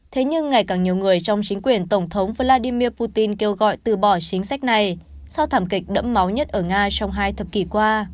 thế nhưng ngày càng nhiều người trong chính quyền tổng thống vladimir putin kêu gọi từ bỏ chính sách này sau thảm kịch đẫm máu nhất ở nga trong hai thập kỷ qua